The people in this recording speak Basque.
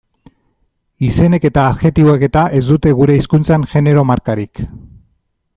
Izenek eta adjektiboek eta ez dute gure hizkuntzan genero markarik.